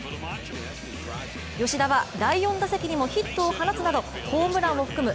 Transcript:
吉田は第４打席にもヒットを放つなどホームランを含む